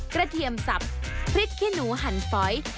เทียมสับพริกขี้หนูหันฟอย